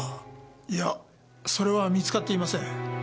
いやそれは見つかっていません。